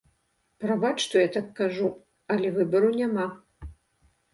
Прабач, што я так кажу, але выбару няма.